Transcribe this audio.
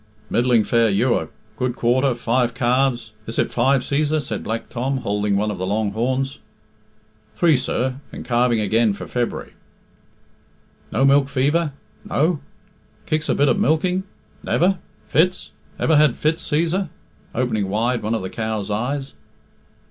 "Middling fair ewer, good quarter, five calves is it five, Cæsar?" said Black Tom, holding one of the long horns. "Three, sir, and calving again for February." "No milk fever? No? Kicks a bit at milking? Never? Fits? Ever had fits, Cæsar?" opening wide one of the cow's eyes.